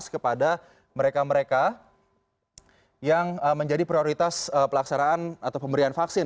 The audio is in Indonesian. kepada mereka mereka yang menjadi prioritas pelaksanaan atau pemberian vaksin